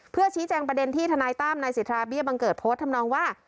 เพื่อชี้แจงประเด็นที่ทนายตั้มนายสิทธาเบี้ยบังเกิดโพสต์ทำนองว่า